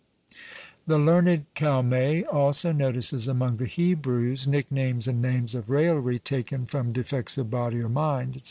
The learned Calmet also notices among the Hebrews nicknames and names of raillery taken from defects of body or mind, &c.